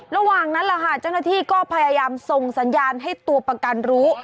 ระหว่างนั้นแหละค่ะเจ้าหน้าที่ก็พยายามส่งสัญญาณให้ตัวประกันรู้